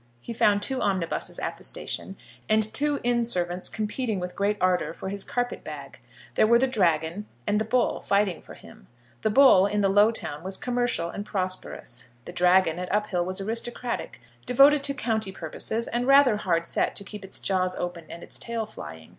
He found two omnibuses at the station, and two inn servants competing with great ardour for his carpet bag. There were the Dragon and the Bull fighting for him. The Bull in the Lowtown was commercial and prosperous. The Dragon at Uphill was aristocratic, devoted to county purposes, and rather hard set to keep its jaws open and its tail flying.